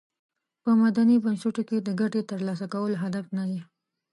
په مدني بنسټونو کې د ګټې تر لاسه کول هدف ندی.